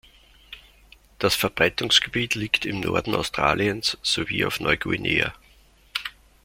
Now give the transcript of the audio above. Das Verbreitungsgebiet liegt im Norden Australiens sowie auf Neuguinea.